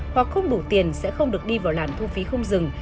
hoặc không đủ tiền sẽ không được đi vào làn thu phí không dừng